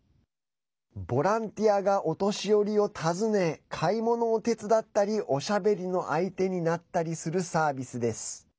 ボランティアがお年寄りを訪ね買い物を手伝ったりおしゃべりの相手になったりするサービスです。